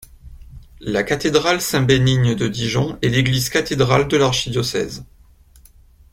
La cathédrale Saint-Bénigne de Dijon est l'église cathédrale de l'archidiocèse.